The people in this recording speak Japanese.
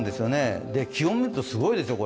気温見ると、すごいですよ。